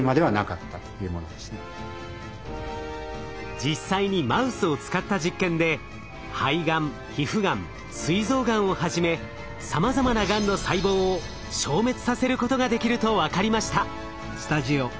実際にマウスを使った実験で肺がん皮膚がんすい臓がんをはじめさまざまながんの細胞を消滅させることができると分かりました。